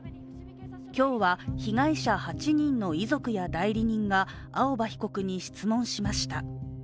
今日は、被害者８人の遺族や代理人が青葉被告に質問しました。